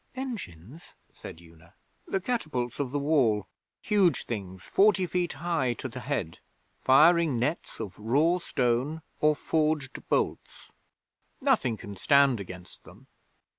"' 'Engines?' said Una. 'The catapults of the Wall huge things forty feet high to the head firing nets of raw stone or forged bolts. Nothing can stand against them.